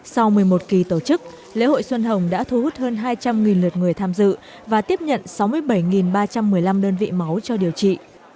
sau một mươi một kỳ tổ chức lễ hội xuân hồng đã thu hút hơn hai trăm linh lượt người tham dự và tiếp nhận sáu mươi bảy ba trăm một mươi năm đơn vị máu cho điều trị